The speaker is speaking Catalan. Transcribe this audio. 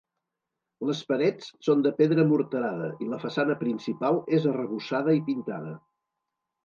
Les parets són de pedra morterada i la façana principal és arrebossada i pintada.